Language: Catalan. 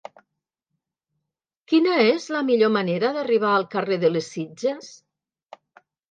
Quina és la millor manera d'arribar al carrer de les Sitges?